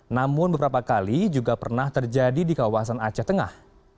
namun beberapa kali juga pernah terjadi di kawasan aceh tengah